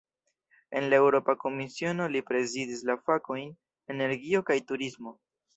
En la Eŭropa Komisiono, li prezidis la fakojn "energio kaj turismo".